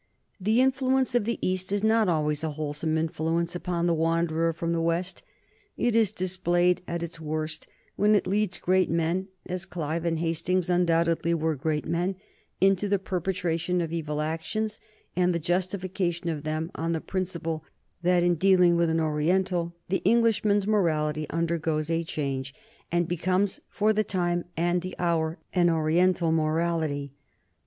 The influence of the East is not always a wholesome influence upon the wanderer from the West. It is displayed at its worst when it leads great men, as Clive and Hastings undoubtedly were great men, into the perpetration of evil actions, and the justification of them on the principle that in dealing with an Oriental the Englishman's morality undergoes a change, and becomes for the time and the hour an Oriental morality.